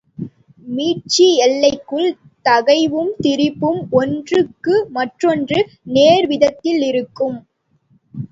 மீட்சி எல்லைக்குள் தகைவும் திரிபும் ஒன்றுக்கு மற்றொன்று நேர்வீதத்திலிருக்கும்.